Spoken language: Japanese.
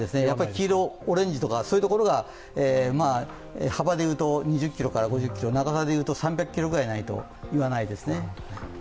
黄色、オレンジとか、そういうところが幅で言うと２０ｋｍから５０ｋｍ、長さでいうと３００ｋｍぐらいないと言わないですね。